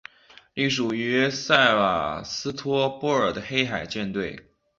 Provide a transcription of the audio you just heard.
隶属于塞瓦斯托波尔的黑海舰队。